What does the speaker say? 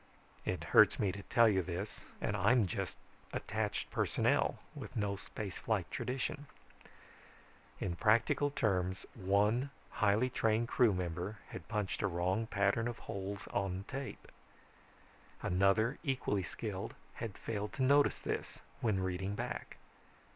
It hurts me to tell you this and I'm just attached personnel with no space flight tradition. In practical terms, one highly trained crew member had punched a wrong pattern of holes on the tape. Another equally skilled had failed to notice this when reading back.